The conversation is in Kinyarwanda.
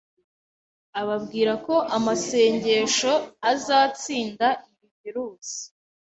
ababwira ko "amasengesho azatsinda" iyi virus.